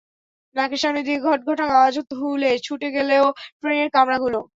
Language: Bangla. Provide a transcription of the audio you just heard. নাকের সামনে দিয়ে ঘট্-ঘটাং আওয়াজ তুলে ছুটে চলে গেল ট্রেনের কামরাগুলো।